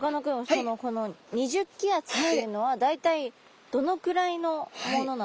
そのこの２０気圧っていうのは大体どのくらいのものなんですか？